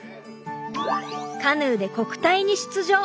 カヌーで国体に出場。